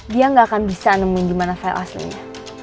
dia nggak akan bisa nemuin di mana file aslinya